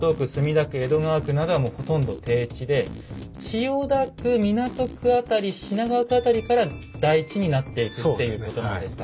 江戸川区などはもうほとんど低地で千代田区港区辺り品川区辺りから台地になっていくっていうことなんですか。